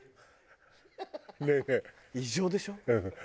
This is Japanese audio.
異常でしょ？